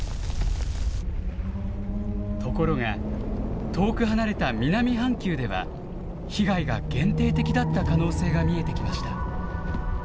ところが遠く離れた南半球では被害が限定的だった可能性が見えてきました。